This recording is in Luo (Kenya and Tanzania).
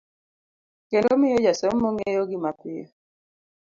kendo miyo jasomo ng'eyogi mapiyo